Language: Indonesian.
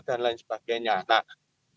dan lain sebagainya nah